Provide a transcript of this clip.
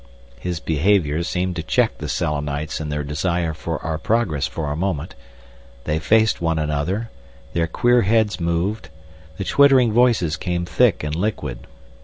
His behaviour seemed to check the Selenites in their desire for our progress for a moment. They faced one another, their queer heads moved, the twittering voices came quick and liquid.